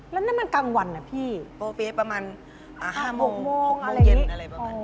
แล้วนั่นมันกลางวันเหรอพี่ประมาณ๕โมง๖โมงอะไรอย่างนี้